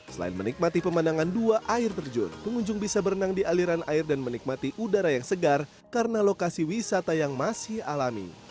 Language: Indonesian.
selain menikmati pemandangan dua air terjun pengunjung bisa berenang di aliran air dan menikmati udara yang segar karena lokasi wisata yang masih alami